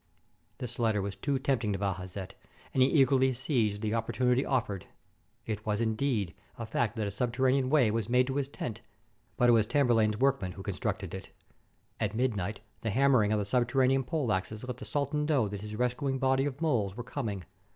This letter was too tempting to Bajazet, and he eagerly seized the opportunity ofifered. It was, indeed, a fact that a subterranean way was made to his tent, but it was Tamerlane's workmen who constructed it! At 470 THE COMING OF THE COMET midnight the hammering of the subterranean poleaxes let the sultan know that his rescuing body of moles were coming!